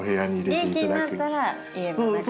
元気になったら家の中に。